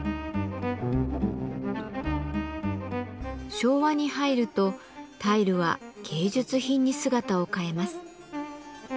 昭和に入るとタイルは芸術品に姿を変えます。